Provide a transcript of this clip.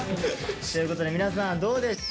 ということで皆さんどうでしょう？